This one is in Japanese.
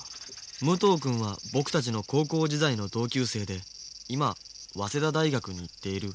武藤くんは僕たちの高校時代の同級生で今早稲田大学に行っている。